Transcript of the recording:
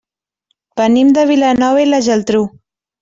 Venim de Vilanova i la Geltrú.